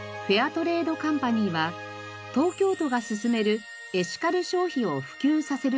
トレードカンパニーは東京都が進めるエシカル消費を普及させる取り組み